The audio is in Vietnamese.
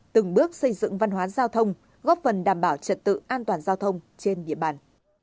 từng bước xây dựng văn hóa giao thông góp phần đảm bảo trật tự an toàn giao thông trên địa bàn